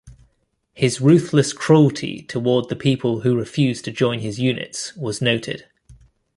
His ruthless cruelty toward the people who refused to join his units was noted.